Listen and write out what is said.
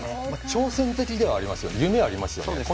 挑戦的ではありますよね夢ありますよね。